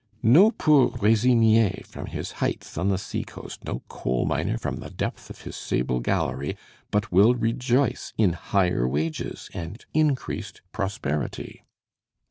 No poor résinier from his heights on the sea coast, no coal miner from the depth of his sable gallery, but will rejoice in higher wages and increased prosperity.